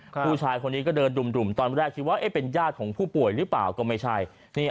ผู้ชายคนนี้ก็เดินดุ่มตอนแรกคิดว่าเป็นญาติของผู้ป่วยหรือเปล่าก็ไม่ใช่